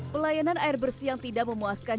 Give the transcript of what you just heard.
pelayanan air bersih yang tidak memuaskan